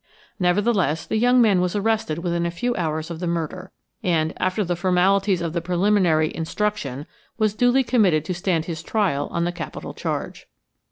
Nevertheless, the young man was arrested within a few hours of the murder, and–after the formalities of the preliminary "instruction"–was duly committed to stand his trial on the capital charge.